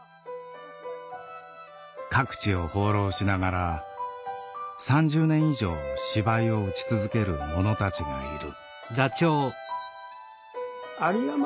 各地を放浪しながら３０年以上芝居を打ち続ける者たちがいる。